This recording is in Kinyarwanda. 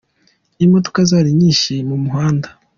Imodoka zari nyinshi mu muhanda.